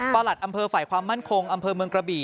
บาหลัดอฝ่ายความมั่นคงอเมืองกะบี่